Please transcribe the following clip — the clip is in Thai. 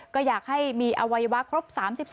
ก็อยากให้มีอวัยวะครบ๓๒